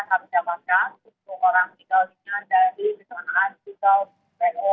apakah sudah ada informasinya harus melapor kemana